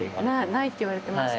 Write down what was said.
ないって言われてますか。